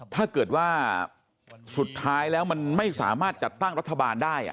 ถ้าเกิดว่าสุดท้ายแล้วมันไม่สามารถจัดตั้งรัฐบาลได้